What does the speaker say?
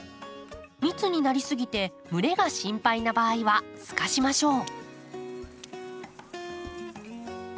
密になりすぎて蒸れが心配な場合はすかしましょう。